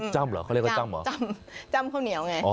เหรอเขาเรียกว่าจ้ำเหรอจ้ำจ้ำข้าวเหนียวไง